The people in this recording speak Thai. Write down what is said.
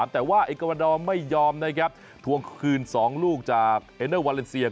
แต่ว่าเอกวาดอร์ไม่ยอมนะครับทวงคืน๒ลูกจากเอเนอร์วาเลนเซีย